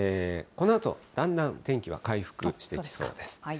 このあと、だんだん天気は回復してきそうです。